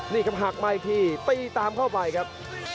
นี่ครับหักมาอีกทีตีตามเข้าไปครับ